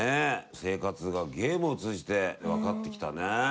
生活がゲームを通じて分かってきたね。